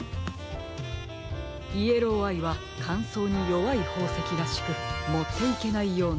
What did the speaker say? イエローアイはかんそうによわいほうせきらしくもっていけないようなので。